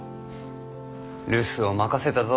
留守を任せたぞ。